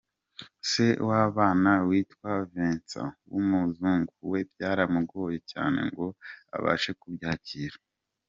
Se w’abana witwa Vince w’umuzungu we byaramugoye cyane ngo abashe kubyakira.